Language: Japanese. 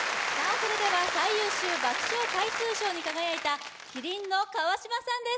それでは最優秀爆笑回数賞に輝いた麒麟の川島さんです